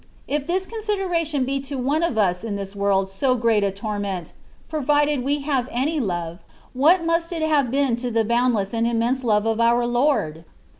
K this consideration be to one of us in this world so great a torment, provided we. have any love, what must it have been to the boundless and immense love of our Lord